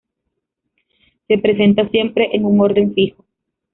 Se presenta siempre en un orden fijo.